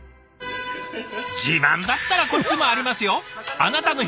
自慢だったらこっちもありますよ。